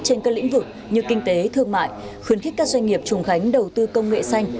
trên các lĩnh vực như kinh tế thương mại khuyến khích các doanh nghiệp trùng khánh đầu tư công nghệ xanh